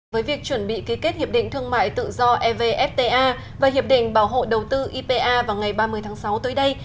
với việc chuẩn bị ký kết hiệp định thương mại tự do evfta và hiệp định bảo hộ đầu tư ipa vào ngày ba mươi tháng sáu tới đây